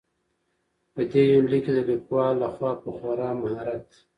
په دې يونليک کې د ليکوال لخوا په خورا مهارت.